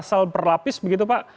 pasal berlapis begitu pak